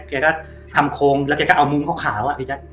แกก็ทำโครงแล้วแกก็เอามุ้งขาวอ่ะพี่แจ๊ค